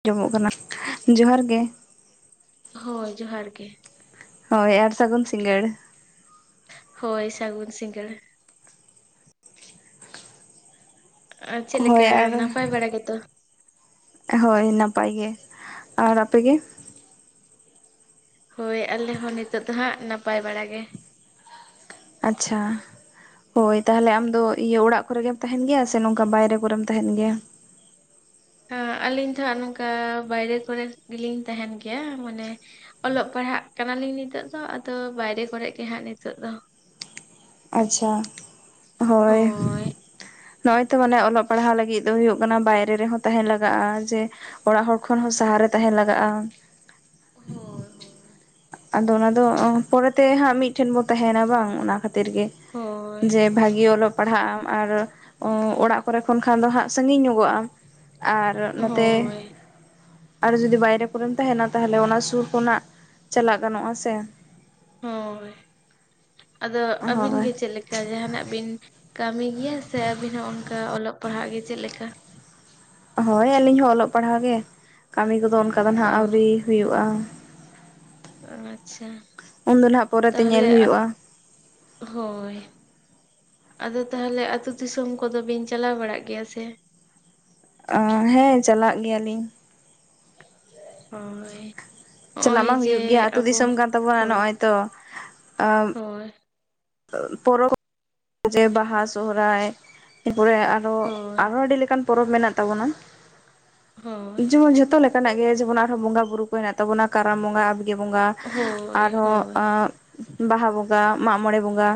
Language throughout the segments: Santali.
ᱟᱸᱡᱚᱢᱚᱜ ᱠᱟᱱᱟ, ᱡᱚᱦᱟᱨ ᱜᱮ᱾ ᱦᱳᱭ ᱡᱚᱸᱦᱟᱨ ᱜᱮ ᱾ ᱦᱳᱭ ᱟᱨ ᱥᱟᱹᱜᱩᱱ ᱥᱤᱸᱜᱟᱹᱲ ᱾ ᱦᱳᱭ ᱥᱟᱹᱜᱩᱱ ᱥᱤᱜᱟᱹᱲ ᱾ ᱟᱨ ᱦᱳᱭ ᱪᱮᱫᱞᱮᱠᱟ ᱟᱨ ᱱᱟᱯᱟᱭ ᱵᱟᱲᱟ ᱜᱮᱛᱚ? ᱦᱳᱭ ᱱᱟᱯᱟᱭ ᱜᱮ ᱟᱨ ᱟᱯᱮᱜᱮ ᱦᱳᱭ ᱟᱞᱮ ᱦᱚᱸ ᱱᱤᱛᱚᱜ ᱫᱚ ᱦᱟᱸᱜ, ᱱᱟᱯᱟᱭ ᱵᱟᱲᱟ ᱜᱮ᱾ ᱟᱪᱪᱷᱟ ᱾ ᱦᱳᱭ ᱛᱟᱦᱚᱞᱮ ᱟᱢ ᱫᱚ, ᱤᱭᱟᱹ ᱚᱲᱟᱜ ᱠᱚᱨᱮ ᱜᱮᱢ ᱛᱟᱦᱮᱱ ᱜᱮᱭᱟ, ᱥᱮ ᱱᱚᱝᱠᱟ ᱵᱟᱭᱨᱮ ᱠᱚᱨᱮᱢ ᱛᱟᱦᱮᱱ ᱜᱮᱭᱟ ᱾ ᱦᱮᱸ ᱟᱹᱞᱤᱧ ᱫᱚ ᱦᱟᱸᱜ ᱱᱚᱝᱠᱟ ᱵᱟᱭᱨᱮ ᱠᱚᱨᱮ ᱜᱮᱞᱤᱧ ᱛᱟᱦᱮᱱ ᱜᱮᱭᱟ, ᱢᱟᱱᱮ ᱚᱞᱚᱜ ᱯᱟᱲᱦᱟᱜ ᱠᱟᱱᱟᱞᱤᱧ ᱱᱤᱛᱚᱜ ᱫᱚ ᱟᱫᱚ ᱵᱟᱭᱨᱮ ᱠᱚᱨᱮᱜ ᱜᱮ ᱦᱟᱸᱜ ᱱᱤᱛᱚᱜ ᱫᱚ ᱟᱪᱪᱷᱟ, ᱦᱳᱭ ᱾ ᱱᱚᱜᱼᱚᱭ ᱛᱚ ᱢᱟᱱᱮ ᱚᱞᱚᱜ ᱯᱟᱲᱦᱟᱣ ᱞᱟᱹᱜᱤᱫ ᱫᱚ ᱦᱩᱭᱩᱜ ᱠᱟᱱᱟ ᱵᱟᱭᱨᱮ ᱨᱮᱦᱚᱸ ᱛᱟᱦᱮᱸᱱ ᱞᱟᱜᱟᱜᱼᱟ, ᱡᱮ ᱚᱲᱟᱜ ᱦᱚᱲ ᱠᱷᱚᱱ ᱦᱚᱸ ᱥᱟᱦᱟᱨᱮ ᱛᱟᱦᱮᱱ ᱞᱟᱜᱟᱜᱼᱟ᱾ ᱦᱳᱭ ᱦᱳᱭ, ᱟᱫᱚ ᱚᱱᱟ ᱫᱚ ᱯᱚᱨᱮᱛᱮ ᱦᱟᱸᱜ ᱢᱤᱫᱴᱷᱮᱱ ᱵᱚ ᱛᱟᱦᱮᱱᱟ, ᱵᱟᱝ ᱚᱱᱟ ᱠᱷᱟᱹᱛᱤᱨ ᱜᱮ᱾ ᱦᱳᱭ ᱡᱮ ᱵᱷᱟ ᱜᱮ ᱚᱞᱚᱜ ᱯᱟᱲᱦᱟᱜ ᱟᱢ, ᱟᱨ ᱚᱲᱟᱜ ᱠᱚᱨᱮ ᱠᱷᱚᱱ ᱠᱷᱟᱱ ᱫᱚ ᱦᱟᱸᱜ ᱥᱟᱺᱜᱤᱧ ᱧᱚᱜᱚᱜ ᱟᱢ᱾ ᱟᱨ ᱱᱚᱛᱮ ᱦᱳᱭ ᱟᱨ ᱡᱩᱫᱤ ᱵᱟᱭᱨᱮ ᱠᱚᱨᱮᱢ ᱛᱟᱦᱮᱱᱟ, ᱛᱟᱦᱚᱞᱮ ᱚᱱᱟ ᱥᱩᱨ ᱠᱷᱚᱱᱟᱜ ᱪᱟᱞᱟᱜ ᱜᱟᱱᱚᱜᱼᱟ ᱥᱮ ᱦᱳᱭ, ᱟᱫᱚ ᱟᱹᱵᱤᱱ ᱦᱳᱭ ᱜᱮ ᱪᱮᱫ ᱞᱮ ᱠᱟ, ᱡᱟᱦᱱᱟᱜ ᱵᱤᱱ ᱠᱟᱹᱢᱤ ᱜᱮᱭᱟ ᱥᱮ ᱟᱵᱤᱱ ᱦᱚᱸ ᱚᱱᱠᱟ ᱚᱞᱚᱜ ᱯᱟᱲᱦᱟᱜ ᱜᱮ ᱪᱮᱫ ᱞᱮᱠᱟ? ᱦᱳᱭ ᱟᱹᱞᱤᱧ ᱦᱚᱸ ᱚᱞᱚᱜ ᱯᱟᱲᱦᱟᱣ ᱜᱮ, ᱠᱟᱹᱢᱤ ᱠᱚᱫᱚ ᱚᱱᱠᱟ ᱫᱚ ᱚ ᱱᱟᱸᱜ ᱟᱹᱣᱨᱤ ᱦᱩᱭᱩᱜᱼᱟ ᱟᱪᱪᱷᱟ ᱩᱱ ᱫᱚ ᱱᱟᱦᱟᱜ ᱯᱚᱨᱮᱛᱮ ᱧᱮᱞ ᱛᱟᱦᱚᱞᱮ ᱦᱩᱭᱩᱜᱼᱟ᱾ ᱦᱳᱭ᱾ ᱟᱫᱚ ᱛᱟᱦᱚᱞᱮ ᱟᱛᱳ ᱫᱤᱥᱚᱢ ᱠᱚᱫᱚ ᱵᱤᱱ ᱪᱟᱞᱟᱣ ᱵᱟᱲᱟᱜ ᱜᱮᱭᱟ ᱥᱮ? ᱟᱸ ᱦᱮᱸ ᱪᱟᱞᱟᱜ ᱜᱮᱭᱟᱞᱤᱧ᱾ ᱦᱳᱭ᱾ ᱪᱟᱞᱟᱜ ᱢᱟ ᱱᱚᱜᱼᱚᱭ ᱡᱮ ᱦᱩᱭᱩᱜ ᱜᱮᱭᱟ ᱟᱹᱛᱩ ᱟᱵᱚ, ᱫᱤᱥᱚᱢ ᱠᱟᱱ ᱛᱟᱵᱚᱱᱟ ᱦᱳᱭ ᱱᱚᱜᱼᱚᱭ ᱛᱚ ᱦᱳᱭ᱾ ᱯᱚᱨᱚᱵᱽ ᱡᱮ ᱵᱟᱦᱟ ᱥᱚᱦᱚᱨᱟᱭ ᱛᱟᱯᱚᱨᱮ ᱟᱨ ᱫᱚ, ᱦᱳᱭ ᱟᱨᱦᱚ ᱟᱹᱰᱤ ᱞᱮᱠᱟᱱ ᱯᱚᱨᱚᱵᱽ ᱢᱮᱱᱟᱜ ᱛᱟᱵᱚᱱᱟ, ᱦᱳᱭ ᱡᱮᱢᱚᱱ ᱡᱷᱚᱛᱚ ᱞᱮ ᱠᱟᱱᱟᱜ ᱜᱮ ᱡᱮᱢᱚᱱ, ᱟᱨᱦᱚᱸ ᱵᱚᱸᱜᱟ ᱵᱩᱨᱩ ᱠᱚ ᱦᱮᱱᱟᱜ ᱛᱟᱵᱚᱱᱟ ᱠᱟᱨᱟᱢ ᱵᱚᱸᱜᱟ, ᱟᱵᱜᱮ ᱵᱚᱸᱜᱟ, ᱦᱳᱭ ᱟᱨᱦᱚᱸ ᱦᱳᱭ ᱟᱸᱼᱼ ᱵᱟᱦᱟ ᱵᱚᱸᱜᱟ ᱢᱟᱜᱼᱢᱚᱬᱮ ᱵᱚᱸᱜᱟ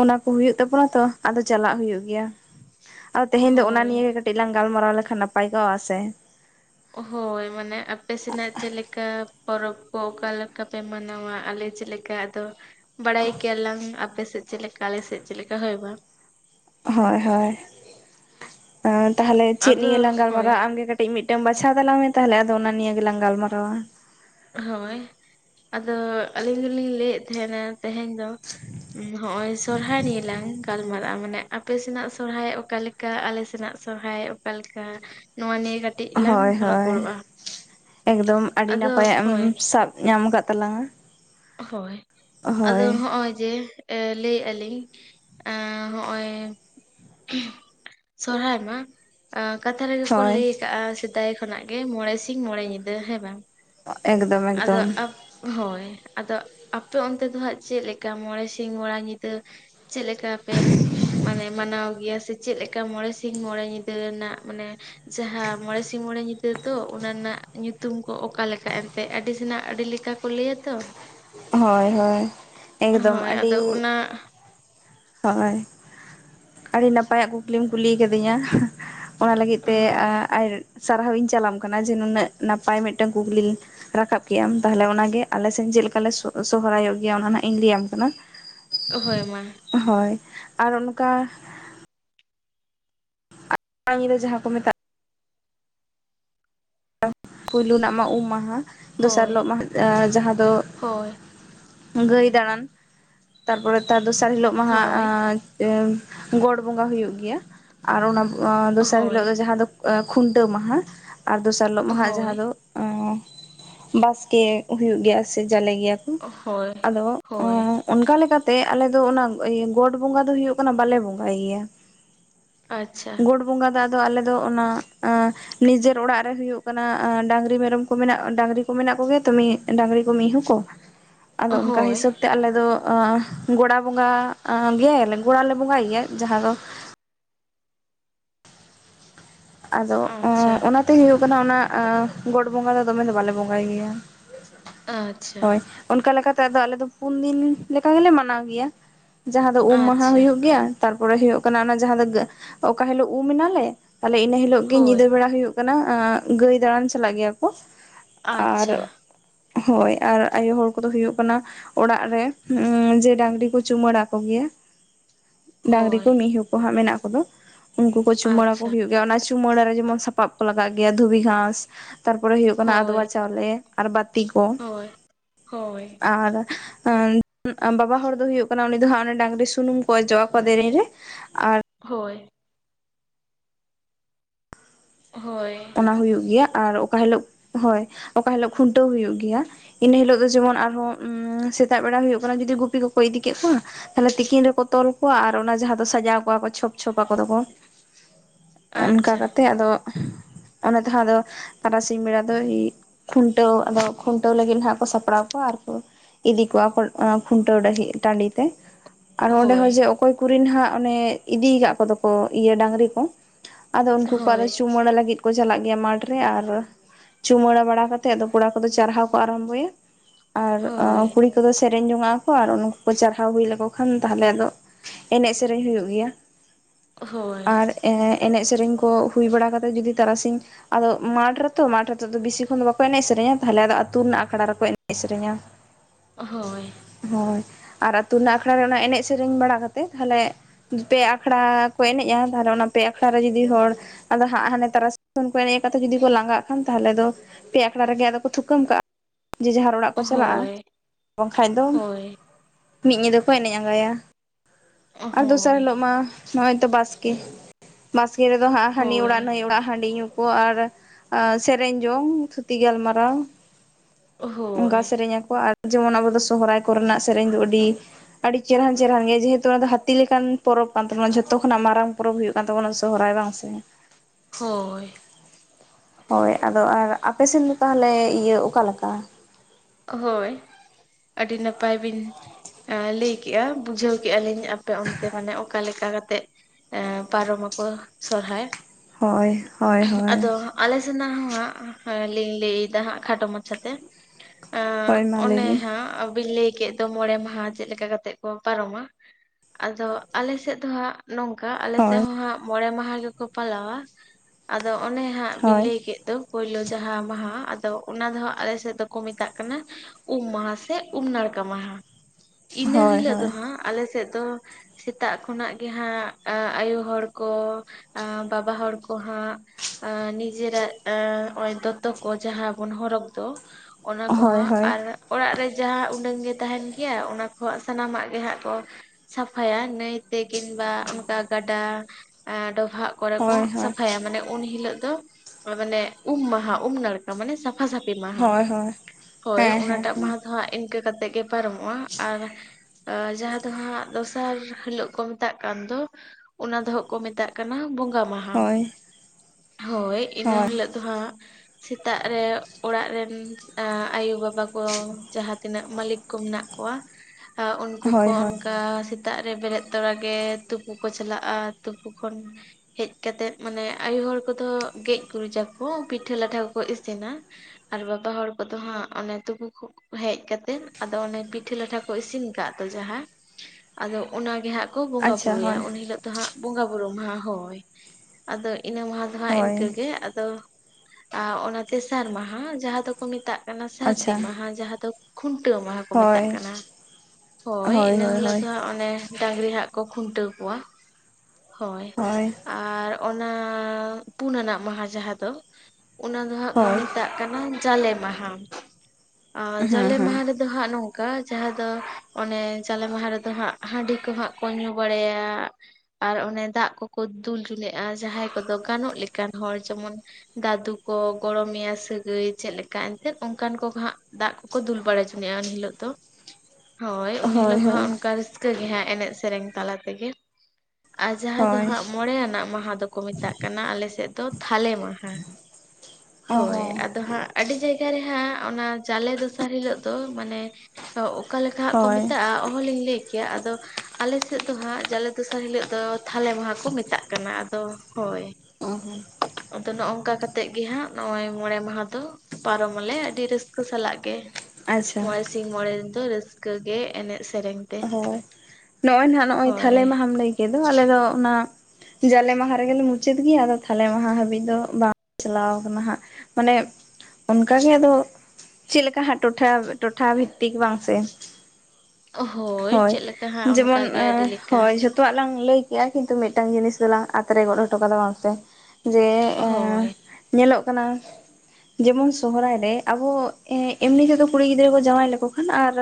ᱚᱱᱟ ᱠᱚ ᱦᱩᱭᱩᱜ ᱛᱟᱵᱚᱱᱟᱼᱛᱚ, ᱟᱫᱚ ᱪᱟᱞᱟᱜ ᱦᱩᱭᱩᱜ ᱜᱮᱭᱟ᱾ ᱟᱫᱚ ᱛᱮᱦᱮᱧ ᱫᱚ ᱚᱱᱟ ᱦᱳᱭ ᱱᱤᱭᱮ ᱜᱮ ᱠᱟᱹᱴᱤᱡ ᱞᱟᱝ ᱜᱟᱞᱢᱟᱨᱟᱣ ᱞᱮᱠᱷᱟᱱ ᱱᱟᱯᱟᱭ ᱠᱚᱜᱼᱟᱥᱮ ᱦᱳᱭ, ᱢᱟᱱᱮ ᱟᱯᱮ ᱥᱮᱱᱟᱜ ᱪᱮᱫ ᱞᱮᱠᱟ ᱯᱚᱨᱚᱵᱽ ᱠᱚ ᱚᱠᱟ ᱞᱮᱠᱟ ᱯᱮ ᱢᱟᱱᱟᱣᱟ ᱟᱞᱮ ᱪᱮᱫᱼᱞᱮᱠᱟ ᱛᱚ ᱵᱟᱰᱟᱭ ᱠᱮᱭᱟᱞᱟᱝ ᱟᱯᱮᱥᱮᱫ ᱪᱮᱫ ᱞᱮᱠᱟ ᱟᱞᱮᱥᱮᱫ ᱪᱮᱫ ᱞᱮᱠᱟ ᱦᱳᱭ ᱵᱟᱝ᱾ ᱦᱚᱭ ᱦᱚᱭ, ᱛᱟᱦᱚᱞᱮ ᱪᱮᱫ ᱟᱫᱚ ᱱᱤᱭᱮ ᱞᱟᱝ ᱦᱳᱭ ᱜᱟᱞᱢᱟᱨᱟᱣᱼᱟ ᱟᱢᱜᱮ ᱠᱟᱹᱴᱤᱡ ᱴᱤᱡ ᱢᱤᱫᱴᱟᱹᱝ ᱵᱟᱪᱷᱟᱣ ᱛᱟᱞᱟᱝ ᱢᱮ ᱛᱟᱦᱚᱞᱮ ᱟᱫᱚ ᱚᱱᱟ ᱱᱤᱭᱮ ᱜᱮᱞᱟᱝ ᱜᱟᱞᱢᱟᱨᱟᱣᱟ᱾ ᱦᱳᱭ, ᱟᱫᱚ ᱟᱹᱞᱤᱧ ᱫᱚᱞᱤᱧ ᱞᱟᱹᱭᱮᱫ ᱛᱟᱦᱮᱱᱟ ᱛᱮᱦᱮᱧ ᱫᱚ ᱦᱚᱜᱼᱚᱭ ᱥᱚᱨᱦᱟᱭ ᱱᱤᱭᱟᱹ ᱞᱟᱝ ᱜᱟᱞᱢᱟᱨᱟᱜᱼᱟ, ᱢᱟᱱᱮ ᱟᱯᱮ ᱥᱮᱱᱟᱜ ᱥᱚᱨᱦᱟᱭ ᱚᱠᱟᱮᱠᱟ ᱟᱞᱮ ᱥᱮᱱᱟᱜ ᱥᱚᱨᱦᱟᱭ ᱚᱠᱟᱞᱮᱠᱟ? ᱱᱚᱣᱟ ᱱᱤᱭᱮ ᱠᱟᱹ ᱦᱳᱭ ᱦᱳᱭ ᱮᱠᱫᱚᱢ ᱟᱹᱰᱤ ᱟᱫᱚ ᱱᱟᱯᱟᱭᱟᱜᱼᱮᱢ ᱦᱳᱭ ᱥᱟᱵ ᱧᱟᱢ ᱠᱟᱫ ᱛᱟᱞᱟᱝᱟ᱾ ᱦᱚᱭ ᱟᱫᱚ ᱦᱳᱭ ᱱᱚᱜᱼᱚᱭ ᱡᱮ ᱮ, ᱞᱟᱹᱭ ᱟᱹᱞᱤᱧ ᱱᱚᱜᱼᱚᱭ ᱥᱚᱨᱦᱟᱭ ᱢᱟ ᱟ, ᱠᱟᱛᱷᱟ ᱨᱮᱜᱮ ᱠᱚ ᱦᱳᱭ ᱞᱟᱹᱭ ᱠᱟᱜᱼᱟ ᱥᱮᱫᱟᱭ ᱠᱷᱚᱱᱟᱜ ᱜᱮ ᱢᱚᱬᱮ ᱥᱤᱧ ᱢᱚᱬᱮ ᱧᱤᱫᱟᱹ ᱦᱮᱸ ᱵᱟᱝ? ᱮᱠᱫᱚᱢ, ᱟᱫᱚ ᱮᱠᱫᱚᱢ ᱟᱯ ᱦᱚᱭ ᱟᱫᱚ ᱟᱯᱮ ᱚᱱᱛᱮ ᱫᱚ ᱦᱟᱸᱜ ᱪᱮᱫ ᱞᱮᱠᱟ ᱢᱚᱬᱮ ᱥᱤᱧ ᱢᱚᱲᱟ ᱧᱤᱫᱟᱹ ᱪᱮᱜ ᱞᱮᱠᱟᱯᱮ, ᱢᱟᱱᱮ ᱢᱟᱱᱟᱣ ᱜᱮᱭᱟ ᱥᱮ ᱪᱮᱫ ᱞᱮᱠᱟ ᱢᱚᱬᱮ ᱥᱤᱧ ᱢᱚᱬᱮ ᱧᱤᱫᱟᱹ ᱨᱮᱱᱟᱜ ᱢᱟᱱᱮ ᱡᱟᱦᱟᱸ ᱢᱚᱬᱮ ᱥᱤᱧ ᱢᱚᱬᱮ ᱧᱤᱫᱟᱹ ᱛᱚ ᱚᱱᱟ ᱨᱮᱱᱟᱜ ᱧᱩᱛᱩᱢ ᱠᱚ ᱚᱠᱟᱞᱠᱟ ᱮᱱ- ᱛᱮ, ᱟᱹᱰᱤ ᱥᱮᱱᱟᱜ ᱟᱹᱰᱤ ᱞᱮᱠᱟ ᱠᱚ ᱞᱮᱭᱟ ᱛᱚ᱾ ᱦᱚᱭ ᱦᱚᱭ ᱮᱠᱫᱚᱢ ᱦᱳᱭ ᱟᱫᱚ ᱟᱹᱰᱤ ᱚᱱᱟ ᱦᱚᱜᱼᱚᱭ ᱟᱹᱰᱤ ᱱᱟᱯᱟᱭᱟᱜ ᱠᱩᱠᱞᱤᱢ ᱠᱩᱞᱤ ᱠᱟᱫᱤᱧᱟ᱾ ᱚᱱᱟ ᱞᱟᱹᱜᱤᱫ ᱛᱮ ᱦᱳᱭ ᱟᱼᱟᱭ ᱥᱟᱨᱦᱟᱣᱤᱧ ᱪᱟᱞᱟᱢ ᱟᱠᱟᱱᱟ ᱡᱮ ᱱᱩᱱᱟᱹᱜ ᱱᱟᱯᱟᱭ ᱢᱤᱫᱴᱟᱹᱝ ᱠᱩᱠᱞᱤ ᱨᱟᱠᱟᱵ ᱠᱮᱜᱼᱟᱢ ᱛᱟᱦᱞᱮ ᱚᱱᱟᱜᱮ ᱟᱞᱮ ᱥᱮᱱ ᱪᱮᱫ ᱞᱮᱠᱟᱞᱮ ᱥᱚᱜᱼᱥᱚᱦᱚᱨᱟᱭᱚᱜ ᱜᱮᱭᱟ ᱚᱱᱟ ᱱᱟᱜ ᱤᱧ ᱞᱟᱹᱭᱟᱢ ᱠᱟᱱᱟ ᱚᱼᱦᱳᱭ ᱢᱟ᱾ ᱦᱚᱭ ᱟᱨ ᱚᱱᱠᱟ ᱠᱟᱢᱤᱨᱮ ᱡᱟᱦᱟᱸ ᱠᱚ ᱢᱮᱛᱟᱜ᱾ ᱯᱩᱭᱞᱩ ᱨᱮᱱᱟᱜ ᱢᱟ ᱩᱢ ᱢᱟᱦᱟ ᱫᱚᱥᱟᱨ ᱦᱳᱭ ᱦᱤᱞᱳᱜ ᱢᱟᱦᱟ ᱡᱟᱦᱟᱸ ᱫᱚᱼᱼ ᱦᱳᱭ ᱜᱟᱹᱭ ᱫᱟᱬᱟᱱ ᱛᱟᱨᱯᱚᱨᱮ ᱛᱟᱨ ᱫᱚᱥᱟᱨ ᱦᱤᱞᱳᱜ ᱢᱟᱦᱟᱜ ᱦᱳᱭ ᱜᱚᱰ ᱵᱚᱸᱜᱟ ᱦᱩᱭᱩᱜ ᱜᱮᱭᱟ ᱟᱨ ᱚᱱᱟ ᱫᱚᱥᱟᱨ ᱦᱤᱞᱳᱜ ᱦᱳᱭ ᱫᱚ ᱡᱟᱦᱟᱸ ᱫᱚ᱾ ᱠᱷᱩᱱᱴᱟᱹᱣ ᱢᱟᱦᱟ᱾ ᱥᱟᱨ ᱦᱳᱞᱳᱜ ᱢᱟᱦᱟ ᱡᱟᱦᱟᱸ ᱦᱳᱭ ᱫᱚ ᱚᱸᱻ ᱵᱟᱥᱠᱮ ᱦᱩᱭᱩᱜ ᱜᱮᱭᱟ ᱥᱮ ᱡᱟᱞᱮ ᱜᱮᱭᱟ ᱦᱳᱭ ᱟᱫᱚ ᱚᱻ ᱦᱳᱭ ᱚᱱᱠᱟ ᱞᱮᱠᱟᱛᱮ ᱟᱞᱮ ᱫᱚ ᱚᱱᱟ ᱤᱭᱟᱹ ᱜᱚᱰ ᱵᱚᱸᱜᱟ ᱫᱚ ᱦᱩᱭᱩᱜ ᱠᱟᱱᱟ ᱵᱟᱞᱮ ᱵᱚᱸᱜᱟᱭ ᱜᱮᱭᱟ᱾ ᱟᱪᱪᱷᱟ ᱾ ᱜᱚᱴ ᱵᱚᱸᱜᱟ ᱫᱟ ᱟᱫᱚ ᱟᱞᱮ ᱫᱚ ᱚᱱᱟ ᱟᱸ ᱱᱤᱡᱮᱨ ᱚᱲᱟᱜ ᱨᱮ ᱦᱩᱭᱩᱜ ᱠᱟᱱᱟ ᱰᱟᱝᱨᱤ ᱢᱮᱨᱚᱢ ᱠᱚ ᱢᱮᱱᱟᱜ ᱰᱟᱝᱨᱤ ᱠᱚ ᱢᱮᱱᱟᱜ ᱠᱚᱜᱮᱭᱟ ᱛᱚ ᱢᱤᱜ ᱰᱟᱹᱝᱨᱤ ᱠᱚ ᱢᱤᱦᱩ ᱠᱚ ᱾ ᱟᱫᱚ ᱚᱱᱠᱟ ᱦᱳᱭ ᱦᱤᱥᱟᱹᱵ ᱛᱮ ᱟᱞᱮᱫᱚ ᱟᱸᱻ ᱜᱚᱲᱟ ᱵᱚᱸᱜᱟ ᱟᱸ ᱜᱮᱭᱟᱞᱮ ᱜᱚᱲᱟᱞᱮ ᱵᱚᱸᱜᱟᱭ ᱜᱮᱭᱟ ᱡᱟᱦᱟᱸ ᱫᱚ ᱟᱫᱚ ᱟᱪᱪᱷᱟ ᱚ-ᱚᱱᱟᱛᱮ ᱦᱩᱭᱩᱜ ᱠᱟᱱᱟ ᱚᱱᱟ ᱜᱚᱰ ᱵᱚᱸᱜᱟ ᱫᱚ ᱫᱚᱢᱮ ᱫᱚ ᱵᱟᱞᱮ ᱵᱚᱸᱜᱟᱭ ᱜᱮᱭᱟ᱾ ᱟᱪᱪᱷᱟ᱾ ᱦᱳᱭ ᱚᱱᱠᱟ ᱞᱮᱠᱟᱛᱮ ᱟᱫᱚ ᱟᱞᱮ ᱫᱚ ᱯᱩᱱ ᱫᱤᱱ ᱞᱮᱠᱟ ᱜᱮᱞᱮ ᱢᱟᱱᱟᱣ ᱜᱮᱭᱟ ᱾ ᱡᱟᱦᱟᱸ ᱫᱚ ᱩᱢ ᱢᱟᱦᱟ ᱟᱪᱪᱷᱟ ᱦᱩᱭᱩᱜ ᱜᱮᱭᱟ ᱛᱟᱨᱯᱚᱨᱮ ᱦᱩᱭᱩᱜ ᱠᱟᱱᱟ ᱚᱱᱟ ᱡᱟᱦᱟᱸ ᱫᱚ ᱚᱠᱟ ᱦᱤᱞᱳᱜ ᱩᱢ ᱮᱱᱟᱞᱮ ᱛᱟᱦᱚᱞᱮ ᱤᱱᱟᱹ ᱦᱤᱞᱳᱜ ᱜᱮ ᱦᱳᱭ ᱧᱤᱫᱟᱹ ᱵᱮᱲᱟ ᱦᱩᱭᱩᱜ ᱠᱟᱱᱟ ᱜᱟᱹᱭ ᱫᱟᱬᱟᱱ ᱪᱟᱞᱟᱜ ᱜᱮᱭᱟ ᱠᱚ ᱾ ᱟᱪᱪᱷᱟ ᱟᱨ ᱦᱳᱭ ᱟᱨ ᱟᱭᱳ ᱦᱚᱲ ᱠᱚᱫᱚ ᱦᱩᱭᱩᱜ ᱠᱟᱱᱟ ᱚᱲᱟᱜ ᱨᱮ ᱡᱮ ᱰᱟᱝᱨᱤ ᱠᱚ ᱪᱩᱢᱟᱹᱲᱟ ᱠᱚ ᱜᱮᱭᱟ ᱾ ᱰᱟᱝᱨᱤ ᱠᱚ ᱦᱳᱭ ᱢᱤᱦᱩᱸ ᱠᱚ ᱦᱟᱜ ᱢᱮᱱᱟᱜ ᱠᱚᱫᱚ ᱩᱱᱠᱩ ᱠᱚ ᱪᱩᱢᱟᱹᱲᱟ ᱠᱚ ᱟᱪᱪᱷᱟ ᱦᱩᱭᱩᱜ ᱜᱮᱭᱟ ᱚᱱᱟ ᱪᱩᱢᱟᱹᱲᱟ ᱨᱮ ᱡᱮᱢᱚᱱ ᱥᱟᱯᱟᱵ ᱠᱚ ᱞᱟᱜᱟᱜ ᱜᱮᱭᱟ ᱫᱷᱩᱤ ᱜᱷᱟᱸᱥ, ᱛᱟᱨᱯᱚᱨᱮ ᱦᱩᱭᱩᱜ ᱠᱟᱱᱟ ᱟᱫᱽᱣᱟ ᱦᱳᱭ ᱪᱟᱣᱞᱮ ᱟᱨ ᱵᱟᱛᱤ ᱠᱚ᱾ ᱦᱳᱭ ᱦᱳᱭ ᱟᱨ ᱟᱸᱻ ᱟᱢ ᱵᱟᱵᱟ ᱦᱚᱲ ᱫᱚ ᱦᱩᱭᱩᱜ ᱠᱟᱱᱟ ᱩᱱᱤ ᱫᱚ ᱦᱟᱸᱜ ᱚᱱᱟ ᱰᱟᱝᱨᱤ ᱥᱩᱱᱩᱢ ᱠᱚ ᱚᱡᱚᱜ ᱟᱠᱚ ᱫᱮᱨᱮᱧ ᱨᱮ ᱾ ᱟᱨ ᱦᱳᱭ ᱾ ᱦᱳᱭ ᱾ ᱚᱱᱟ ᱦᱩᱭᱩᱜ ᱜᱮᱭᱟ ᱟᱨ ᱚᱠᱟ ᱦᱤᱞᱳᱜ ᱦᱳᱭ ᱚᱠᱟ ᱦᱤᱞᱳᱜ ᱠᱷᱩᱱᱴᱟᱹᱣ ᱦᱩᱭᱩᱜ ᱜᱮᱭᱟ ᱾ ᱤᱱᱟᱹ ᱦᱤᱞᱳᱜ ᱫᱚ ᱡᱮᱢᱚᱱ ᱟᱨᱦᱚᱸ ᱥᱮᱛᱟᱜ ᱵᱮᱲᱟ ᱦᱳᱭᱳᱜ ᱠᱟᱱᱟ ᱡᱩᱫᱤ ᱜᱩᱯᱤ ᱠᱚᱠᱚ ᱤᱫᱤ ᱠᱮᱜ ᱠᱚᱣᱟ, ᱛᱟᱦᱞᱮ ᱛᱤᱠᱤᱱ ᱨᱮᱠᱚ ᱛᱚᱞ ᱠᱚᱣᱟ ᱟᱨ ᱚᱱᱟ ᱡᱟᱦᱟᱸ ᱫᱚ ᱥᱟᱡᱟᱣ ᱠᱚᱣᱟ ᱠᱚ ᱪᱷᱚᱯ ᱪᱷᱚᱯ ᱟᱠᱚ ᱫᱚ ᱠᱚ᱾ ᱚᱱᱠᱟ ᱟᱪᱪᱷᱟ ᱠᱟᱛᱮ ᱟᱫᱚ ᱚᱱᱟ ᱫᱷᱟᱣ ᱫᱚ ᱛᱟᱨᱟᱥᱤᱧ ᱵᱮᱲᱟ ᱫᱚ ᱠᱷᱩᱱᱴᱟᱹᱣ ᱟᱫᱚ ᱠᱷᱩᱱᱴᱟᱹᱣ ᱞᱟᱹᱜᱤᱫᱽ ᱱᱟᱦᱟᱸᱜ ᱠᱚ ᱥᱟᱯᱲᱟᱣ ᱠᱚᱣᱟ ᱾ ᱟᱨ ᱠᱚ ᱤᱫᱤ ᱠᱚᱣᱟ ᱠᱚ ᱚᱸ ᱠᱷᱩᱴᱟᱹᱣ ᱰᱟᱦᱤ ᱴᱟᱺᱰᱤ ᱛᱮ᱾ ᱟᱨ ᱦᱚᱸ ᱚᱸᱰᱮ ᱦᱚᱸ ᱡᱮ ᱦᱳᱭ ᱚᱠᱚᱭ ᱠᱩᱨᱤᱱ ᱦᱟᱸᱜ ᱚᱱᱮ ᱤᱫᱤ ᱠᱟᱫ ᱠᱚᱫᱚ ᱠᱚ ᱤᱭᱟᱹ ᱰᱟᱝᱨᱤ ᱠᱚ ᱟᱫᱚ ᱩᱱᱠᱩ ᱠᱚ ᱟᱫᱚ ᱦᱳᱭ ᱪᱩᱢᱟᱹᱲᱟ ᱞᱟᱹᱜᱤᱫ ᱠᱚ ᱪᱟᱞᱟᱜ ᱜᱮᱭᱟ ᱢᱟᱴᱷᱨᱮ ᱾ ᱟᱨ ᱪᱩᱢᱟᱹᱲᱟ ᱵᱟᱲᱟ ᱠᱟᱛᱮᱜ ᱟᱫᱚ ᱠᱚᱲᱟ ᱠᱚᱫᱚ ᱪᱟᱨᱦᱟᱣ ᱠᱚ ᱟᱨᱟᱢᱵᱚᱭᱟ ᱟᱨ ᱟᱸ ᱦᱳᱭ ᱠᱩᱲᱤ ᱠᱚᱫᱚ ᱥᱮᱨᱮᱧ ᱡᱚᱝᱟᱜ ᱟᱠᱚ ᱟᱨ ᱱᱩᱠᱩ ᱠᱚ ᱪᱟᱨᱦᱟᱣ ᱦᱩᱭ ᱞᱮᱠᱚ ᱠᱷᱟᱱ ᱛᱟᱦᱚᱞᱮ ᱟᱫᱚ ᱮᱱᱮᱡ ᱥᱮᱨᱮᱧ ᱦᱩᱭᱩᱜ ᱜᱮᱭᱟ᱾ ᱦᱳᱭ ᱟᱨ ᱮ ᱮᱱᱮᱡ ᱥᱮᱨᱮᱧ ᱠᱚ ᱦᱩᱭ ᱵᱟᱲᱟ ᱠᱟᱛᱮ ᱡᱩᱫᱤ ᱛᱟᱨᱟᱥᱤᱧ ᱟᱫᱚ ᱢᱟᱴᱷ ᱨᱮᱛᱚ ᱢᱟᱴᱷ ᱨᱮᱛᱚᱜ ᱫᱚ ᱵᱤᱥᱤ ᱠᱷᱚᱱ ᱫᱚ ᱵᱟᱠᱚ ᱮᱱᱮᱡ ᱥᱮᱨᱮᱧᱟ, ᱛᱟᱦᱚᱞᱮ ᱟᱫᱚ ᱟᱹᱛᱩ ᱨᱮᱱᱟᱜ ᱟᱠᱷᱲᱟ ᱨᱮᱠᱚ ᱮᱱᱮᱡ ᱥᱮᱨᱮᱧᱟ᱾ ᱦᱳᱭ ᱾ ᱦᱳᱭ, ᱟᱨ ᱟᱹᱛᱩ ᱨᱮᱱᱟᱜ ᱟᱠᱷᱲᱟ ᱨᱮ ᱚᱱᱟ ᱮᱱᱮᱡ ᱥᱮᱨᱮᱧ ᱵᱟᱲᱟ ᱠᱟᱛᱮ ᱛᱟᱦᱚᱞᱮ ᱯᱮ ᱟᱠᱷᱲᱟ ᱠᱚ ᱮᱱᱮᱡᱼᱟ ᱛᱟᱦᱟᱞᱮ ᱚᱱᱟ ᱯᱮ ᱟᱠᱷᱲᱟ ᱨᱮ ᱡᱩᱫᱤ ᱦᱚᱲ ᱟᱫᱚ ᱦᱟᱸᱜ ᱦᱟᱱᱮ ᱛᱟᱨᱟᱥᱤᱧ ᱠᱷᱚᱱ ᱠᱚ ᱮᱱᱮᱡ ᱠᱟᱫᱽ ᱛᱮ ᱡᱩᱫᱤ ᱠᱚ ᱞᱟᱝᱜᱟᱜ ᱠᱷᱟᱱ ᱛᱟᱦᱟᱞᱮ ᱫᱚ ᱯᱮ ᱟᱠᱷᱲᱟ ᱨᱮᱜᱮ ᱟᱫᱚ ᱠᱚ ᱛᱷᱩᱠᱟᱹᱢ ᱠᱟᱜᱼᱟ ᱡᱮ ᱡᱟᱦᱟᱸ ᱚᱲᱟᱜ ᱠᱚ ᱪᱟᱞᱟᱜᱼᱟ ᱦᱳᱭ ᱵᱟᱝᱠᱷᱟᱡ ᱫᱚ ᱦᱳᱭ ᱢᱤᱫ ᱧᱤᱫᱟᱹ ᱠᱚ ᱮᱱᱮᱡ ᱟᱸᱜᱟᱭᱟ, ᱟᱨ ᱫᱚᱥᱟᱨ ᱦᱳᱭ ᱦᱤᱞᱚᱜ ᱢᱟ ᱱᱚᱜᱼᱚᱭ ᱛᱚ ᱵᱟᱥᱠᱮ ᱵᱟᱥᱠᱮ ᱨᱮᱫᱚ ᱦᱟᱸᱜ ᱦᱟᱹᱱᱤ ᱦᱳᱭ ᱚᱲᱟᱜ ᱱᱟᱹᱭ ᱚᱲᱟᱜ ᱦᱟᱺᱰᱤ ᱧᱩ ᱠᱚ ᱟᱨ ᱥᱮᱨᱮᱧ ᱡᱚᱝ ᱛᱷᱩᱛᱤ ᱜᱟᱞᱢᱟᱨᱟᱣ ᱾ ᱚᱱᱠᱟ ᱦᱳᱭ ᱥᱮᱨᱮᱧ ᱟᱠᱚ ᱟᱨ ᱡᱮᱢᱚᱱ ᱟᱵᱚ ᱫᱚ ᱥᱚᱦᱨᱟᱭ ᱠᱚᱨᱮᱱᱟᱜ ᱥᱮᱨᱮᱧ ᱫᱚ ᱟᱹᱰᱤ ᱟᱹᱰᱤ ᱪᱮᱦᱨᱟᱱ ᱪᱮᱦᱨᱟᱱ ᱜᱮᱭᱟ ᱡᱮᱦᱮᱛᱩ ᱚᱱᱟ ᱫᱚ ᱦᱟᱹᱛᱤ ᱞᱮᱠᱟᱱ ᱯᱚᱨᱚᱵᱽ ᱠᱟᱱ ᱛᱟᱵᱚᱱᱟ ᱡᱷᱚᱛᱚ ᱠᱷᱚᱱᱟᱜ ᱢᱟᱨᱟᱝ ᱯᱚᱨᱚᱵᱽ ᱦᱩᱭᱩᱜ- ᱠᱟᱱ ᱛᱟᱵᱚᱱᱟ ᱥᱚᱦᱨᱟᱭ ᱵᱟᱝ ᱥᱮ ᱾ ᱦᱳᱭ ᱾ ᱦᱳᱭ ᱟᱫᱚ ᱟᱨ ᱟᱯᱮ ᱥᱮᱱ ᱫᱚ ᱛᱟᱦᱚᱞᱮ ᱤᱭᱟᱹ ᱚᱠᱟᱞᱮᱠᱟ? ᱦᱳᱭ [inaudible] ᱟᱹᱰᱤ ᱱᱟᱯᱟᱭ ᱵᱤᱱ ᱞᱟᱹᱭ ᱠᱮᱫᱮᱜ-ᱟ ᱵᱩᱡᱷᱟᱹᱣ ᱠᱮᱫᱮᱜ-ᱟ ᱞᱤᱧ ᱟᱯᱮ ᱚᱱᱛᱮ ᱢᱟᱱᱮ ᱚᱠᱟ ᱞᱮᱠᱟ ᱠᱟᱛᱮᱜ ᱮ ᱯᱟᱨᱚᱢ ᱟᱠᱚ ᱥᱚᱨᱦᱟᱭ ᱾ ᱦᱳᱭ, ᱦᱳᱭ ᱦᱳᱭ ᱾ ᱟᱞᱮ ᱥᱮᱱᱟᱜ ᱦᱚ ᱦᱟᱜ ᱞᱤᱧ ᱞᱮᱭ ᱮᱫᱟ ᱦᱟᱜ ᱠᱷᱟᱴᱚ ᱢᱟᱪᱷᱪᱟ ᱛᱮ ᱾ ᱦᱳᱭ ᱟᱸᱻ ᱢᱟ ᱚᱱᱮ ᱞᱟᱹᱭ ᱵᱤᱱ ᱦᱟᱜ ᱵᱤᱱ ᱞᱟᱹᱭ ᱠᱮᱫ ᱫᱚ ᱢᱚᱬᱮ ᱢᱟᱦᱟ ᱪᱮᱫ ᱞᱮᱠᱟ ᱠᱟᱛᱮᱜ ᱠᱚ ᱯᱟᱨᱚᱢᱟ [inaudible] ᱟᱫᱚ ᱟᱞᱮ ᱥᱮᱫ ᱫᱚ ᱦᱟᱸᱜ ᱱᱚᱝᱠᱟ ᱟᱞᱮ ᱥᱮᱫ ᱦᱳᱭ ᱦᱚᱸ ᱦᱟᱸᱜ ᱢᱚᱬᱮ ᱢᱟᱦᱟ ᱜᱮᱠᱚ ᱯᱟᱞᱟᱣᱟ ᱾ ᱟᱫᱚ ᱚᱱᱮ ᱦᱟᱸᱜ ᱵᱤᱱ ᱦᱳᱭ ᱞᱟᱹᱭ ᱠᱮᱫ ᱫᱚ ᱯᱳᱭᱞᱳ ᱡᱟᱦᱟᱸ ᱢᱟᱦᱟ ᱟᱫᱚ ᱚᱱᱟ ᱫᱚ ᱦᱟᱸᱜ ᱟᱞᱮ ᱥᱮᱫ ᱫᱚᱠᱚ ᱢᱮᱛᱟᱜ ᱩᱢ ᱢᱟᱦᱟ ᱥᱮ ᱩᱢ ᱱᱟᱲᱠᱟ ᱢᱟᱦᱟ ᱾ [inaudible] ᱤᱱᱟᱹ ᱦᱳᱭ ᱦᱤᱞᱳᱜ ᱫᱚ ᱦᱳᱭ ᱦᱟᱸᱜ ᱟᱞᱮ ᱥᱮᱫ ᱫᱚ ᱥᱮᱛᱟᱜ ᱠᱷᱚᱱᱟᱜ ᱜᱮ ᱦᱟᱸᱜ ᱟᱭᱳ ᱦᱚᱲ ᱠᱚ ᱵᱟᱵᱟ ᱦᱚᱲ ᱠᱚ ᱦᱟᱸᱜ ᱟ ᱱᱤᱡᱮᱨᱟᱜ ᱱᱚᱜᱚᱭ ᱫᱚᱛᱚ ᱠᱚ ᱡᱟᱦᱟᱸ ᱵᱚᱱ ᱦᱚᱨᱚᱜ ᱫᱚ ᱚᱱ ᱦᱳᱭ ᱠᱚᱦᱚᱸ ᱦᱳᱭ ᱟᱨ ᱚᱲᱟᱜ ᱨᱮ ᱡᱟᱦᱟᱸ ᱩᱰᱟᱹᱝ ᱜᱮ ᱛᱟᱦᱮᱱ ᱜᱮᱭᱟ ᱚᱱᱟ ᱠᱚᱦᱚᱸ ᱥᱟᱱᱟᱢᱟᱜ ᱜᱮ ᱦᱟᱸᱜ ᱠᱚ ᱥᱟᱯᱷᱟᱭᱟ ᱱᱟᱹᱭ ᱛᱮ ᱠᱤᱢᱵᱟ ᱚᱱᱠᱟ ᱜᱟᱰᱟ ᱰᱚᱵᱷᱟᱜ ᱠᱚᱨᱮ ᱠᱚ ᱦᱳᱭ ᱦᱳᱭ ᱥᱟᱯᱷᱟᱭᱟ ᱢᱟᱱᱮ ᱩᱱ ᱦᱤᱞᱳᱜ ᱫᱚ ᱢᱟᱱᱮ ᱩᱢ ᱢᱟᱦᱟ ᱩᱢ ᱱᱟᱲᱠᱟ ᱢᱟᱱᱮ ᱥᱟᱯᱷᱟ ᱥᱟᱯᱷ ᱦᱳᱭ ᱦᱳᱭ ᱾ ᱦᱳᱭ ᱚᱱᱟᱴᱟᱜ ᱢᱟᱦᱟ ᱫᱚ ᱦᱟᱸᱜ ᱤᱱᱠᱟᱹ ᱠᱟᱛᱮᱜ ᱜᱮ ᱯᱟᱨᱚᱢᱚᱜ-ᱟ ᱾ ᱟᱨ ᱡᱟᱦᱟᱸ ᱫᱚ ᱦᱟᱸᱜ ᱫᱚᱥᱟᱨ ᱦᱤᱞᱳᱜ ᱠᱚ ᱢᱮᱛᱟᱜ ᱠᱟᱱ ᱫᱚ ᱚᱱᱟ ᱫᱚ ᱦᱟᱜ ᱠᱚ ᱢᱮᱛᱟᱜ ᱠᱟᱱᱟ ᱵᱚᱸᱜᱟ ᱢᱟ -ᱼᱦᱟ ᱦᱳᱭ [inaudible] ᱦᱳᱭ ᱤᱱᱟᱹ ᱦᱳᱭ ᱦᱤᱞᱳᱜ ᱫᱚ ᱦᱟᱸᱜ ᱥᱮᱛᱟᱜ ᱨᱮ ᱚᱲᱟᱜ ᱨᱮᱱ ᱟ ᱟᱭᱳ ᱵᱟᱵᱟ ᱠᱚ ᱡᱟᱦᱟᱸ ᱛᱤᱱᱟᱹᱜ ᱢᱟᱹᱞᱤᱠ ᱠᱚ ᱢᱮᱱᱟᱜ ᱠᱚᱣᱟ ᱩᱱᱠᱩ ᱠᱚ ᱦᱳᱭ ᱦᱳᱭ ᱚᱱᱠᱟ ᱥᱮ ᱛᱟᱜ ᱨᱮ ᱵᱮᱨᱮᱫ ᱛᱚᱨᱟ ᱜᱮ ᱛᱩᱯᱩ ᱠᱚ ᱪᱟᱞᱟᱜ-ᱟ ᱾ ᱛᱩᱯᱩ ᱠᱷᱚᱱ ᱦᱮᱡ ᱠᱟᱛᱮᱜ ᱢᱟᱱᱮ ᱟᱭᱩ ᱦᱚᱲ ᱠᱚᱫᱚ ᱜᱮᱡ ᱜᱩᱨᱤᱡ ᱟᱠᱚ ᱯᱤᱴᱷᱟᱹ ᱞᱟᱴᱷᱟ ᱠᱚᱠᱚ ᱤᱥᱤᱱᱟ ᱾ ᱟᱨ ᱵᱟᱵᱟ ᱦᱚᱲ ᱠᱚᱫᱚ ᱦᱟᱸᱜ ᱚᱱᱮ ᱛᱩᱯᱩ [inaudible] ᱦᱮᱡ ᱠᱟᱛᱮᱜ ᱟᱫᱚ ᱚᱱᱮ ᱯᱤᱴᱷᱟᱹ ᱞᱟᱴᱷᱟ ᱠᱚ ᱤᱥᱤᱱ ᱟᱠᱟᱫ ᱫᱚ ᱡᱟᱦᱟᱸ ᱟᱫᱚ ᱚᱱᱟᱜᱮ ᱦᱟᱸᱜ ᱠᱚ ᱵᱚᱸᱜᱟ ᱟᱪᱪᱷᱟ ᱵᱩᱨᱩᱭᱟ ᱦᱳᱭ ᱩᱱ ᱦᱤᱞᱳᱜ ᱫᱚ ᱦᱟᱸᱜ ᱵᱚᱸᱜᱟ ᱵᱩᱨᱩ ᱢᱟᱦᱟ ᱦᱳᱭ ᱾ ᱟᱫᱚ ᱤᱱᱟᱹ ᱢᱟᱦᱟ ᱫᱚ ᱦᱟᱸᱜ ᱤᱱᱠᱟᱹᱜ ᱦᱳᱭ ᱜᱮ ᱟᱫᱚ [inaudible] ᱚᱱᱟ ᱛᱮᱥᱟᱨ ᱢᱟᱦᱟ ᱡᱟᱦᱟᱸ ᱫᱚ ᱠᱚ ᱢᱮᱛᱟᱜ ᱠᱟᱱᱟ ᱥᱟᱹᱨᱫᱤ ᱟᱪᱪᱷᱟ ᱢᱟᱦᱟ ᱡᱟᱦᱟᱸ ᱫᱚ ᱠᱷᱩᱱᱴᱟᱹᱣ ᱢᱟᱦᱟ ᱠᱚ ᱢᱮᱛᱟᱜ ᱦᱳᱭ ᱠᱟᱱᱟ ᱾ ᱦᱳᱭ ᱤᱱᱟᱹ ᱦᱤᱞᱚᱜ ᱫᱚ ᱦᱟᱜ ᱚᱱᱮ ᱰᱟᱝᱨᱤ ᱦᱟᱜ ᱠᱚ ᱠᱷᱩᱱᱴᱟᱹᱣ ᱠᱚᱣᱟ ᱾ [inaudible] ᱦᱳᱭ ᱾ ᱟᱨ ᱚᱱᱟ ᱯᱩᱱ ᱟᱱᱟᱜ ᱢᱟᱦᱟ ᱡᱟᱦᱟᱸ ᱫᱚ ᱚᱱᱟ ᱫᱚ ᱦᱟᱸᱜ ᱠᱚ ᱦᱳᱭ ᱢᱮᱛᱟᱜ ᱠᱟᱱᱟ ᱡᱟᱞᱮ ᱢᱟᱦᱟ ᱾ [inaudible] ᱟᱨ ᱡᱟᱞᱮ ᱦᱩᱸ ᱢᱟᱦᱟ ᱦᱩᱸ ᱨᱮ ᱫᱚ ᱦᱟᱸᱜ ᱱᱚᱝᱠᱟ ᱡᱟᱦᱟᱸ ᱫᱚ ᱚᱱᱮ ᱡᱟᱞᱮ ᱢᱟᱦᱟ ᱨᱮᱫᱚ ᱦᱟᱸᱜ ᱦᱟᱺᱰᱤ ᱠᱚ ᱦᱟᱸᱜ ᱠᱚ ᱧᱩ ᱵᱟᱲᱟᱭᱟ ᱾ ᱟᱨ ᱚᱱᱮ ᱫᱟᱜ ᱠᱚᱠᱚ ᱫᱩᱞ ᱡᱩᱞᱮᱜ-ᱟ ᱡᱟᱦᱟᱸᱭ ᱠᱚᱫᱚ ᱜᱟᱱᱚᱜ ᱞᱮᱠᱟᱱ ᱦᱚᱲ ᱡᱮᱢᱚᱱ ᱫᱟᱫᱩ ᱠᱚ ᱜᱚᱲᱚᱢᱮᱭᱟ ᱥᱟᱹᱜᱟᱹᱭ ᱪᱮᱫ ᱞᱮᱠᱟ ᱮᱱᱛᱮᱜ ᱚᱱᱠᱟᱱ ᱠᱚ ᱦᱟᱸᱜ ᱫᱟᱜ ᱠᱚᱠᱚ ᱫᱩᱞ ᱵᱟᱲᱟ ᱡᱚᱱᱮᱜ-ᱟ ᱮᱱᱦᱤᱞᱳᱜ ᱫᱚ ᱾ ᱦᱳᱭ ᱩᱱ ᱦᱤᱞᱳᱜ ᱦᱚᱸ ᱦᱟᱸᱜ ᱚᱱᱠᱟ ᱨᱟᱹᱥᱠᱟᱹ ᱜᱮ ᱦᱟᱸᱜ ᱮᱱᱮᱡ ᱥᱮᱨᱮᱧ ᱛᱟᱞᱟ ᱛᱮᱜᱮ᱾ ᱟᱨ ᱡᱟᱦᱟᱸ ᱫᱚ ᱦᱳᱭ ᱦᱟᱸᱜ ᱢᱚᱬᱮᱭᱟᱱᱟᱜ ᱢᱟᱦᱟ ᱫᱚ ᱠᱚ ᱢᱮᱛᱟᱜ ᱠᱟᱱᱟ ᱟᱞᱮ ᱥᱮᱫ ᱫᱚ ᱛᱷᱟᱞᱮ ᱢᱟᱦᱟ ᱚ ᱦᱳᱭ ᱦᱚᱸ ᱟᱫᱚ ᱦᱟᱸᱜ ᱟᱹᱰᱤ ᱡᱟᱭᱜᱟ ᱨᱮᱦᱟᱸᱜ ᱚᱱᱟ ᱡᱟᱞᱮ ᱫᱚᱥᱟᱨ ᱦᱤᱞᱳᱜ ᱫᱚ ᱢᱟᱱᱮ ᱛᱚ ᱚᱠᱟ ᱞᱮᱠᱟ ᱦᱟᱸᱜ ᱠᱚ ᱦᱳᱭ ᱢᱮᱛᱟᱜ-ᱟ ᱚᱦᱚᱞᱤᱧ ᱞᱟᱹᱭ ᱠᱮᱭᱟ ᱟᱫᱚ ᱟᱞᱮ ᱥᱮᱫ ᱫᱚ ᱦᱟᱸᱜ ᱡᱟᱞᱮ ᱫᱚᱥᱟᱨ ᱦᱤᱞᱳ ᱫᱚ ᱛᱷᱟᱞᱮ ᱢᱟᱦᱟ ᱠᱚ ᱢᱮᱛᱟᱜ ᱠᱟᱱᱟ ᱟᱫᱚ ᱦᱳᱭ᱾ [inaudible] ᱟᱫᱚ ᱱᱚᱜ-ᱚᱝᱠᱟ ᱠᱟᱛᱮᱜ ᱜᱮᱦᱟᱸᱜ ᱱᱚᱜ-ᱚᱭ ᱢᱚᱬᱮ ᱢᱟᱦᱟ ᱫᱚ ᱯᱟᱨᱚᱢ ᱟᱞᱮ ᱟᱹᱰᱤ ᱨᱟᱹᱥᱠᱟᱹ ᱥᱟᱞᱟᱜ ᱜᱮ ᱟᱪᱪᱷᱟ ᱢᱚᱬᱮ ᱥᱤᱧ ᱢᱚᱬᱮ ᱫᱤᱱ ᱫᱚ ᱨᱟᱹᱥᱠᱟᱹ ᱜᱮ ᱮᱱᱮᱡ ᱥᱮᱨᱮᱧ ᱛᱮ ᱦᱮᱸ ᱱᱚᱜ-ᱚᱭ ᱱᱟᱦᱟᱸᱜ ᱱᱚᱜ-ᱚᱭ ᱦᱳᱭ ᱛᱷᱟᱞᱮ ᱢᱟᱦᱟᱢ ᱞᱟᱹᱭ ᱠᱮᱫ ᱫᱚ ᱟᱞᱮ ᱫᱚ ᱚᱱᱟ ᱡᱟᱞᱮ ᱢᱟᱦᱟ ᱨᱮᱜᱮᱞᱮ ᱢᱩᱪᱟᱹᱫ ᱜᱮᱭᱟ ᱟᱫᱚ ᱛᱷᱟᱞᱮ ᱢᱟᱦᱟ ᱦᱟᱹᱵᱤᱡ ᱫᱚ ᱵᱟᱝ ᱪᱟᱞᱟᱣ ᱠᱟᱱᱟ ᱦᱟᱸᱜ᱾ ᱢᱟᱱᱮ ᱚᱱᱠᱟᱜᱮ ᱟᱫᱚ ᱪᱮᱫ ᱞᱮᱠᱟ ᱦᱟᱸᱜ ᱴᱚᱴᱷᱟ ᱴᱚᱴᱷᱟ ᱵᱷᱤᱛᱛᱤᱠ ᱵᱟᱝᱥᱮ? ᱦᱳᱭ ᱪᱮᱫ ᱞᱮᱠᱟ ᱦᱟᱸᱜ ᱚᱱᱠᱟ ᱡᱮᱢᱚᱱ ᱜᱮ ᱟ ᱟᱹᱰᱤ ᱞᱮᱠᱟ ᱦᱳᱭ ᱡᱚ ᱛᱚ ᱟᱞᱟᱝ ᱞᱟᱹᱭ ᱠᱮᱜ-ᱟ ᱠᱤᱱᱛᱩ ᱢᱤᱫᱴᱟᱝ ᱡᱤᱱᱤᱥ ᱫᱚᱞᱟᱝ ᱟᱛᱮᱨᱮ ᱜᱚᱫ ᱦᱚᱴᱚ ᱠᱟᱫᱟ ᱵᱟᱝ ᱥᱮ? ᱡᱮ ᱮᱸ ᱦᱳᱭ ᱧᱮᱞᱚᱜ ᱠᱟᱱᱟ ᱡᱮᱢᱚᱱ ᱥᱨᱟᱭ ᱨᱮ ᱟᱵᱚ ᱮᱢᱱᱤ ᱛᱮᱫᱚ ᱠᱩᱲᱤ ᱜᱤᱫᱽᱨᱟᱹ ᱵᱚ ᱡᱟᱶᱟᱭ ᱞᱮᱠᱚ ᱠᱷᱟᱱ ᱟᱨ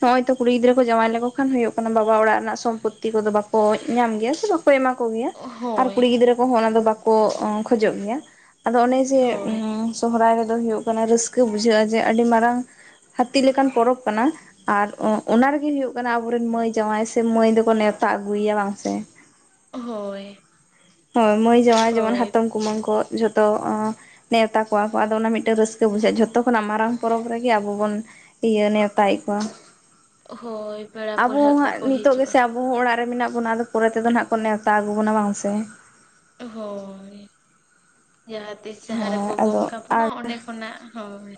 ᱱᱚᱜ-ᱚᱭ ᱛᱚ ᱠᱩᱲᱤ ᱜᱤᱫᱽᱨᱟᱹ ᱠᱚ ᱡᱟᱶᱟᱭ ᱞᱮᱠᱚ ᱠᱷᱟᱱ ᱦᱩᱭᱩᱜ ᱠᱟᱱᱟ ᱵᱟᱵᱟ ᱚᱲᱟᱜ ᱨᱮᱱᱟᱜ ᱥᱚᱢᱯᱚᱛᱛᱤ ᱠᱚᱫᱚ ᱵᱟᱠᱚ ᱧᱟᱢ ᱜᱮᱭᱟ ᱥᱮ ᱵᱟ ᱠᱚ ᱮᱢᱟ ᱠᱚ ᱜᱮᱭᱟ ᱟᱨ ᱦᱳᱭ ᱠᱩᱲᱤ ᱜᱤᱫᱽᱨᱟᱹ ᱠᱚᱦᱚᱸ ᱚᱱᱟ ᱫᱚ ᱵᱟᱠᱚ ᱠᱷᱚᱡᱚᱜ ᱜᱮᱭᱟ᱾ ᱟᱫᱚ ᱚᱱᱮ ᱡᱮ ᱦᱳᱭ ᱥᱚᱦᱚᱨᱟᱭ ᱨᱮᱫᱚ ᱦᱩᱭᱩᱜ ᱠᱟᱱᱟ ᱨᱟᱹᱥᱠᱟᱹ ᱵᱩᱡᱷᱟᱹᱜ-ᱟ ᱡᱮ ᱟᱹᱰᱤ ᱢᱟᱨᱟᱝ ᱦᱟᱹᱛᱤ ᱞᱮᱠᱟᱱ ᱯᱚᱨᱚᱵᱽ ᱠᱟᱱᱟ ᱟᱨ ᱚᱱᱟ ᱜᱤ ᱦᱩᱭᱩᱜ ᱠᱟᱱᱟ ᱟᱵᱚᱨᱮᱱ ᱢᱟᱹᱭ ᱡᱟᱶᱟᱭ ᱥᱮ ᱢᱟᱹᱭ ᱫᱚᱠᱚ ᱱᱮᱶᱛᱟ ᱟᱹᱜᱩᱭ ᱮᱭᱟ ᱵᱟᱝ ᱥᱮ? ᱦᱳᱭ᱾ ᱦᱳᱭ ᱢᱟᱹᱭ ᱡᱟᱶᱟᱭ ᱡᱮᱢᱚᱱ ᱦᱳᱭ ᱦᱟᱛᱚᱢ, ᱠᱩᱢᱟᱹᱝ ᱠᱚ ᱡᱷᱚᱛᱚ ᱚ ᱱᱮᱣᱛᱟ ᱠᱚᱣᱟ ᱠᱚ ᱟᱫᱚ ᱚᱱᱟ ᱢᱤᱫᱴᱮᱱ ᱨᱟᱹᱥᱠᱟᱹ ᱵᱩᱡᱷᱟᱹᱜ-ᱟ ᱡᱷᱚᱛᱚ ᱠᱷᱚᱱᱟᱜ ᱢᱟᱨᱟᱝ ᱯᱚᱨᱚᱵᱽ ᱨᱮᱜᱮ ᱟᱵᱚ ᱵᱚᱱ ᱤᱭᱟᱹ ᱱᱮᱣᱛᱟᱭᱮᱫ ᱠᱚᱣᱟ᱾ ᱦᱳᱭ ᱯᱮᱲᱟ ᱯᱟᱹᱲᱦᱟᱹᱜ ᱟᱵᱚ ᱦᱟᱸᱜ ᱠᱚᱠᱚ ᱱᱤᱛᱚᱜ ᱦᱤᱡᱩᱜ-ᱟ᱾ ᱜᱮᱥᱮ ᱟᱵᱚ ᱦᱚᱸ ᱚᱲᱟᱜ ᱨᱮ ᱢᱮᱱᱟᱜ ᱵᱚᱱᱟ ᱟᱫᱚ ᱯᱚᱨᱮ ᱛᱮᱫᱚ ᱱᱟᱦᱟᱜ ᱠᱚ ᱱᱮᱣᱛᱟ ᱟᱹᱜᱩ ᱵᱚᱱᱟ ᱵᱟᱝ ᱥᱮ? ᱦᱳᱭ ᱡᱟᱦᱟ ᱛᱤᱥ ᱡᱟᱦᱟᱸ ᱦᱳᱭ ᱨᱮᱠᱚ ᱟᱫᱚ ᱜᱚᱝ ᱠᱟᱵᱚᱱᱟ ᱟᱨ ᱚᱸᱰᱮ ᱠᱷᱚᱱᱟᱜ ᱦᱳᱭ᱾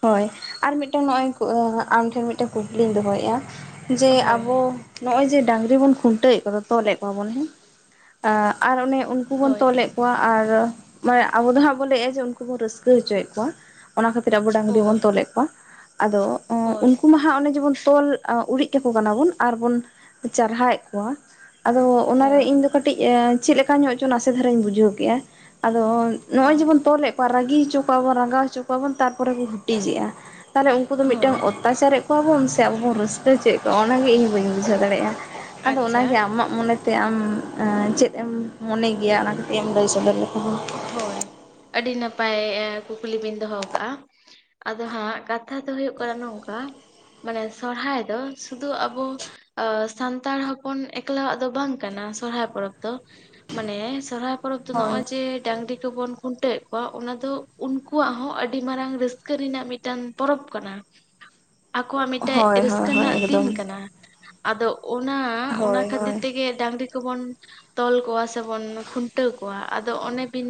ᱦᱳᱭ ᱟᱨ ᱢᱤᱫᱴᱮᱱ ᱱᱚᱜ-ᱚᱭ ᱟᱢᱴᱷᱮᱱ ᱢᱤᱫᱴᱮᱱ ᱠᱩᱠᱞᱤᱧ ᱫᱚᱦᱚᱭᱮᱫ-ᱟ ᱡᱮ ᱦᱳᱭ ᱟᱵᱚ ᱱᱚᱜ-ᱚᱭ ᱡᱮ ᱰᱟᱝᱨᱤ ᱵᱚᱱ ᱠᱷᱩᱱᱴᱟᱹᱣᱮᱫ ᱠᱚᱫᱚ ᱛᱚᱞᱮᱫ ᱠᱚᱣᱟ ᱵᱚᱱ ᱦᱮᱸ ᱟᱨ ᱚᱱᱮ ᱩᱱ ᱩᱱᱠᱩ ᱵᱚᱱ ᱦᱳᱭ ᱛᱚᱞᱮᱫ ᱠᱚᱣᱟ ᱟᱨ ᱟᱵᱚ ᱫᱚ ᱦᱟᱸᱜ ᱵᱚᱱ ᱞᱟᱹᱭᱮᱜᱼᱟ ᱩᱱᱠᱩ ᱵᱚᱱ ᱨᱟᱹᱥᱠᱟᱹ ᱦᱚᱪᱚᱭᱮᱫ ᱠᱚᱣᱟ ᱚᱱᱟ ᱠᱷᱟᱹᱛᱤᱨ ᱟᱵᱚ ᱰᱟᱝᱨᱤ ᱵᱚᱱ ᱦᱳᱭ ᱛᱚᱞᱮᱫ ᱠᱚᱣᱟ ᱟᱫᱚ ᱦᱳᱭ ᱩᱱᱠᱩᱢᱟ ᱦᱟᱸᱜ ᱚᱱᱮ ᱡᱮᱢᱚᱱ ᱛᱚᱞ ᱟ ᱩᱨᱤᱡ ᱠᱟᱠᱚ ᱠᱟᱱᱟ ᱵᱚᱱ ᱟᱨᱵᱚᱱ ᱪᱟᱨᱦᱟᱭᱮᱫ ᱠᱚᱣᱟ ᱟᱫᱚ ᱚᱱᱟᱨᱮ ᱦᱳᱭ ᱤᱧ ᱫᱚ ᱠᱟᱹᱴᱤᱡ ᱪᱮᱫ ᱞᱮᱠᱟ ᱧᱚᱜ ᱪᱚ ᱱᱟᱥᱮ ᱫᱷᱟᱨᱟᱧ ᱵᱩᱡᱷᱟᱹᱣ ᱠᱮᱫ-ᱟ ᱟᱫᱚ ᱱᱚᱜ-ᱚᱭ ᱦᱳᱭ ᱡᱮᱵᱚᱱ ᱛᱚᱞᱮᱫ ᱠᱚᱣᱟ ᱨᱟᱹᱜᱤ ᱦᱚᱪᱚ ᱠᱚᱣᱟ ᱵᱚᱱ ᱨᱟᱸᱜᱟᱣ ᱦᱚᱪᱚ ᱠᱚᱣᱟ ᱵᱚᱱ ᱛᱟᱨᱯᱚᱨᱮ ᱠᱚ ᱦᱩᱴᱤᱡᱮᱜ-ᱟ᱾ ᱛᱟᱦᱚᱞᱮ ᱩᱱᱠᱩ ᱫᱚ ᱢᱤᱫᱴᱟᱝ ᱦᱳᱭ ᱚᱛᱛᱟᱪᱟᱨᱮᱫ ᱠᱚᱣᱟ ᱵᱚᱱ ᱥᱮ ᱟᱵᱚ ᱵᱚᱱ ᱨᱟᱹᱥᱠᱟᱹ ᱦᱚᱪᱚᱭᱮᱫ ᱠᱚᱣᱟ ᱚᱱᱟᱜᱮ ᱤᱧ ᱵᱟᱹᱧ ᱵᱩᱡᱷᱟᱹᱣ ᱫᱟᱲᱮᱭᱟᱜ-ᱟ᱾ ᱟᱫᱚ ᱟᱪᱪᱷᱟ ᱚᱱᱟᱜᱮ ᱟᱢᱟᱜ ᱢᱚᱱᱮᱛᱮ ᱟᱢ ᱮᱸ ᱪᱮᱫ ᱮᱢ ᱢᱚᱱᱮ ᱜᱮᱭᱟ ᱚᱱᱟ ᱠᱟᱹᱴᱤᱡ ᱮᱢ ᱞᱟᱹᱭ ᱥᱚᱫᱚᱨ ᱞᱮᱠᱷᱟᱱ ᱦᱳᱭ ᱟᱹᱰᱤ ᱱᱟᱯᱟᱭ ᱠᱩᱠᱞᱤ ᱵᱤᱱ ᱫᱚᱦᱚ ᱟᱠᱟᱜ-ᱟ᱾ ᱟᱫᱚ ᱦᱟᱸᱜ ᱠᱟᱛᱷᱟ ᱫᱚ ᱦᱩᱭᱩᱜ ᱠᱟᱱᱟ ᱱᱚᱝᱠᱟ ᱢᱟᱱᱮ ᱥᱚᱨᱦᱟᱭ ᱫᱚ ᱥᱩᱫᱩ ᱟᱵᱚ ᱥᱟᱱᱛᱟᱲ ᱦᱚᱯᱚᱱ ᱮᱠᱞᱟᱣᱟᱜ ᱫᱚ ᱵᱟᱝ ᱠᱟᱱᱟ ᱥᱚᱨᱚᱦᱦᱟᱭ ᱯᱚᱨᱚᱵᱽ ᱫᱚ᱾ ᱢᱟᱱᱮ ᱥᱚᱨᱦᱟᱭ ᱯᱚᱨᱚᱵᱽ ᱫᱚ ᱦᱳᱭ ᱱᱚᱜᱼᱚᱭ ᱡᱮ ᱰᱟᱹᱝᱨᱤ ᱠᱚᱵᱚᱱ ᱠᱷᱩᱱᱴᱟᱹᱣᱮᱫ ᱠᱚᱣᱟ ᱚᱱᱟ ᱫᱚ ᱩᱱᱠᱩᱣᱟᱜ ᱦᱚᱸ ᱟᱹᱰᱤ ᱢᱟᱨᱟᱝ ᱨᱟᱹᱥᱠᱟᱹ ᱨᱮᱱᱟᱜ ᱢᱤᱫᱴᱟᱱ ᱯᱚᱨᱚᱵᱽ ᱠᱟᱱᱟ ᱟᱠᱚᱣᱟᱜ ᱢᱤᱫᱴᱮᱱ ᱦᱳᱭ ᱦᱳᱭ ᱨᱟᱹᱥᱠᱟᱹ ᱦᱳᱭ ᱨᱮᱱᱟᱜ ᱫᱤᱱ ᱮᱠᱫᱚᱢ ᱠᱟᱱᱟ ᱟᱫᱚ ᱚᱱᱟ ᱚᱱᱟ ᱦᱳᱭ ᱠᱷᱟᱹᱛᱤᱨ ᱦᱳᱭ ᱛᱮᱜᱮ ᱰᱟᱝᱨᱤ ᱵᱚᱱ ᱛᱚᱞ ᱠᱚᱣᱟ ᱥᱮᱵᱚᱱ ᱠᱷᱩᱱᱴᱟᱹᱣ ᱠᱚᱣᱟ ᱟᱫᱚ ᱚᱱᱮ ᱵᱤᱱ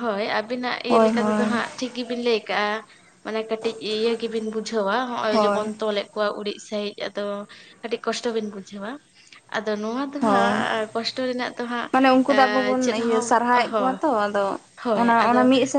ᱦᱳᱭ ᱟᱹᱵᱤᱱᱟᱜ ᱤᱭᱟᱹ ᱦᱳᱭ ᱞᱮᱠᱟ ᱛᱮᱫᱚ ᱦᱳᱭ ᱦᱟᱸᱜ ᱴᱷᱤᱠ ᱜᱮᱵᱤᱱ ᱞᱟᱹᱭ ᱠᱟᱫᱼᱟ᱾ ᱢᱟᱱᱮ ᱠᱟᱹᱴᱤᱡ ᱤᱭᱟᱹ ᱜᱮᱵᱤᱱ ᱵᱩᱡᱷᱟᱹᱣᱟ ᱦᱚᱜᱼᱚᱸᱭ ᱦᱳᱭ ᱡᱮᱵᱚᱱ ᱛᱚᱞᱮᱫ ᱠᱚᱣᱟᱜ ᱩᱲᱤᱡ ᱥᱟᱹᱦᱤᱡ ᱟᱫᱚ ᱟᱹᱰᱤ ᱠᱚᱥᱴᱚ ᱵᱤᱱ ᱵᱩᱡᱷᱟᱹᱣᱟ ᱟᱫᱚ ᱱᱚᱣᱟ ᱫᱚ ᱦᱳᱭ ᱦᱟᱸᱜ ᱠᱚᱥᱴᱚ ᱨᱮᱱᱟᱜ ᱫᱚ ᱦᱟᱸᱜ ᱢᱟᱱᱮ ᱩᱱᱠᱩ ᱫᱚ ᱟᱵᱚ ᱵᱚᱱ ᱪᱮᱫ ᱤᱭᱟᱹ ᱦᱚᱸ ᱥᱟᱨᱦᱟᱣᱮᱫ ᱠᱚᱣᱟ ᱚᱦᱳᱭ ᱛᱚ ᱟᱫᱚ ᱚᱱᱟ ᱦᱳᱭ ᱚᱱᱟ ᱟᱫᱚ ᱢᱤᱫ